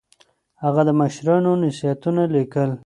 هغه د مشرانو نصيحتونه ليکل.